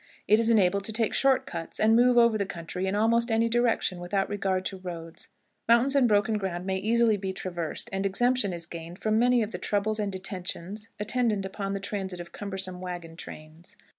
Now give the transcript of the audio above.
It is enabled to take short cuts, and move over the country in almost any direction without regard to roads. Mountains and broken ground may easily be traversed, and exemption is gained from many of the troubles and detentions attendant upon the transit of cumbersome wagon trains.